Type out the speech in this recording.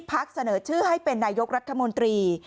เสนอชื่อให้เป็นนายกรัฐมนตรี